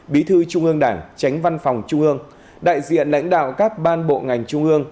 bí thư trung ương đảng tránh văn phòng trung ương đại diện lãnh đạo các ban bộ ngành trung ương